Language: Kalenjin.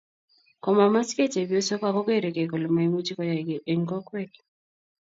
komamachegei chepyosok ago geregeei kole maimuchi koyey giiy eng kokwet